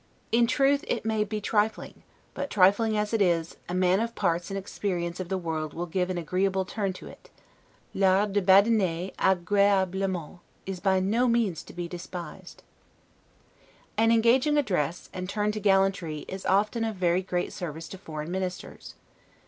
In truth it may be trifling; but, trifling as it is, a man of parts and experience of the world will give an agreeable turn to it. 'L'art de badiner agreablement' is by no means to be despised. An engaging address, and turn to gallantry, is often of very great service to foreign ministers.